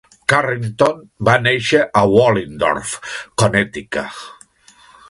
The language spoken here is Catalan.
Carrington va néixer a Wallingford, Connecticut.